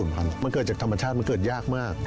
มันเกิดจากธรรมชาติมันเกิดยากมาก